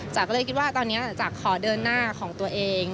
ก็เลยคิดว่าตอนนี้จ๋าขอเดินหน้าของตัวเอง